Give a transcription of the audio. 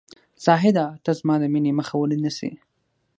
زاهده ! ته زما د مینې مخه ولې نیسې ؟